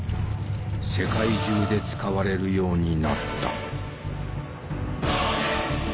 世界中で使われるようになった。